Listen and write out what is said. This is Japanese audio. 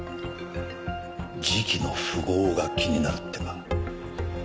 時期の符合が気になるってか。